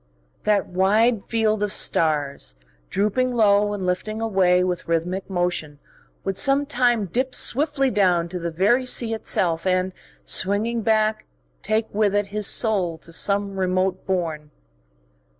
That wide field of stars, drooping low and lifting away with rhythmic motion, would sometime dip swiftly down to the very sea itself and, swinging back, take with it his soul to some remote bourne....